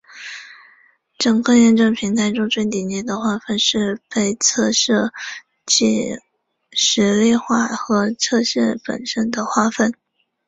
整个验证平台中最顶层的划分是被测设计实例化和测试本身的划分。